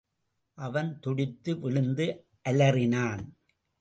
அவன் துடித்து விழுந்து அலறினான்.